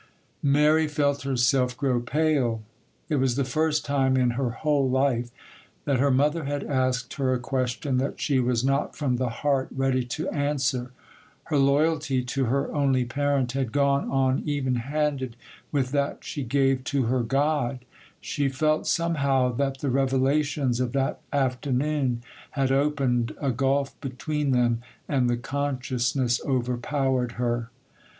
Mary felt herself grow pale: it was the first time in her whole life that her mother had asked her a question that she was not from the heart ready to answer. Her loyalty to her only parent had gone on even handed with that she gave to her God; she felt, somehow, that the revelations of that afternoon had opened a gulf between them, and the consciousness overpowered her.